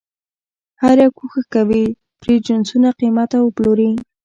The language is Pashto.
هر یو کوښښ کوي پرې جنسونه قیمته وپلوري.